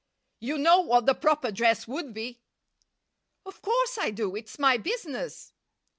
"You know what the proper dress would be?" "Of course I do. It's my business."